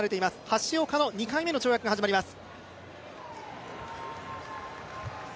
橋岡の２回目の跳躍が始まります。